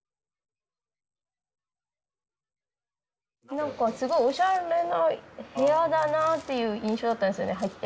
何かすごいおしゃれな部屋だなっていう印象だったんですよね入って。